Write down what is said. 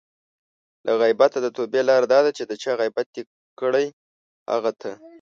له غیبته د توبې لاره دا ده چې د چا غیبت دې کړی؛ هغه ته